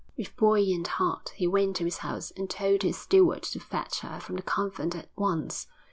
With buoyant heart he went to his house and told his steward to fetch her from the convent at once.